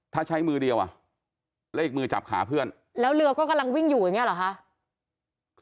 ถ้าใช้มือเดียวอ่ะแล้วอีกมือจับขาเพื่อนแล้วเรือก็กำลังวิ่งอยู่อย่างเงี้เหรอคะ